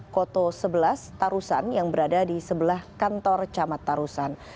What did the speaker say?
koto sebelas tarusan yang berada di sebelah kantor camat tarusan